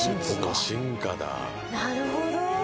なるほど。